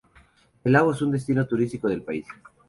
El lago es un destino turístico del país.